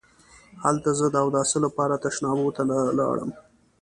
هلته زه د اوداسه لپاره تشنابونو ته لاړم.